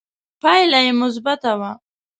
پایله یې مثبته وه